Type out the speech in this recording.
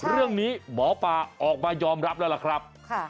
เรื่องนี้หมอปลาออกมายอมรับแล้วล่ะครับ